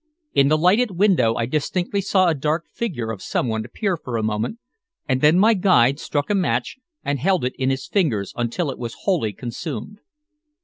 In the lighted window I distinctly saw a dark figure of someone appear for a moment, and then my guide struck a match and held it in his fingers until it was wholly consumed.